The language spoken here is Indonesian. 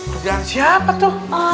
kerjaannya siapa tuh